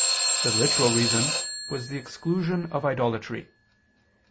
The literal reason was the exclusion of idolatry.